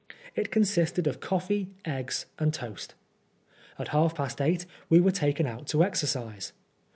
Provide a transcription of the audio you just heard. It consisted of coffee, eggs and toast. At half past eight we were taken out to exercise.